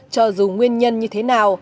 cho dù nguyên nhân như thế nào